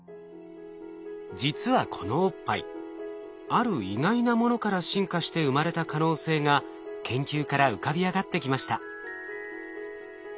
実はこのおっぱいある意外なものから進化して生まれた可能性が研究から浮かび上がってきました。